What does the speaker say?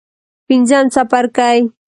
پنځم څپرکی.